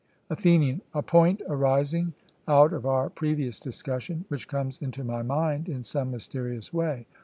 ATHENIAN: A point arising out of our previous discussion, which comes into my mind in some mysterious way.